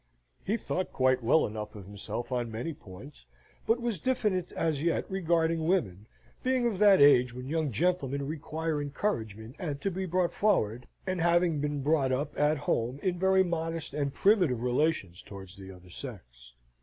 He thought quite well enough of himself on many points, but was diffident as yet regarding women, being of that age when young gentlemen require encouragement and to be brought forward, and having been brought up at home in very modest and primitive relations towards the other sex.